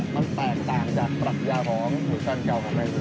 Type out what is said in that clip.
มันแตกต่างจากปรับอย่างของบุญการเก่าของแบบนี้